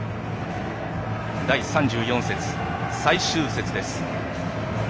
第３４節最終節です。